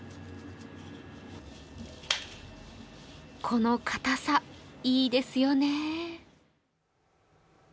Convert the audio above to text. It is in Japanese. この硬さ、いいですよね。